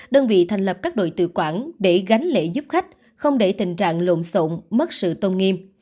đơn vị thành lập các đội tự quản để gánh lệ giúp khách không để tình trạng lộn xộn mất sự tôn nghiêm